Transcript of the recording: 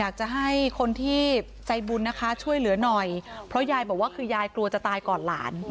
การให้บุญให้ช่วยเหลือหน่อย